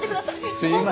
すいません。